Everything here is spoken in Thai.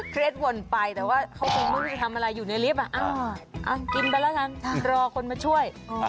เครียดวนไปแต่ว่าเขาคงไม่รู้ว่าจะทำอะไรอยู่ในลิฟต์อ้าวอ้าวกินไปแล้วนะรอคนมาช่วย